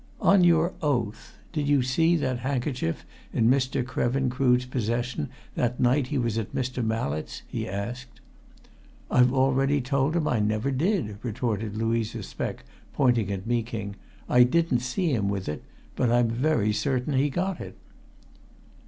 "On your oath, did you see that handkerchief in Mr. Krevin Crood's possession that night he was at Mr. Mallett's?" he asked. "I've already told him I never did," retorted Louisa Speck, pointing at Meeking. "I didn't see him with it. But I'm very certain he got it!"